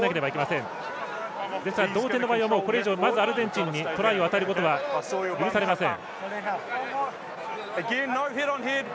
なので、同点の場合はまずアルゼンチンにトライを与えることは許されません。